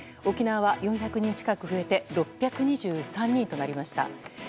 沖縄は４００人近く増えて６２３人となりました。